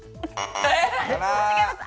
違います。